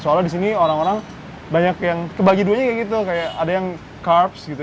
soalnya di sini orang orang banyak yang kebagi duanya kayak gitu kayak ada yang carps gitu